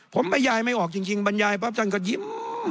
ผมบรรยายไม่ออกจริงบรรยายปั๊บท่านก็ยิ้ม